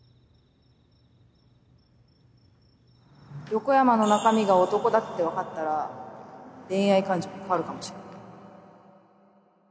横山の中身が男だって分かったら恋愛感情に変わるかもしれない